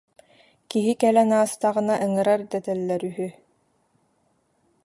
Киһи кэлэн аастаҕына ыҥырар дэтэллэр үһү